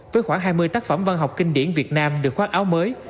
với khoảng hai mươi tác phẩm văn học kinh điển việt nam được khoác áo mới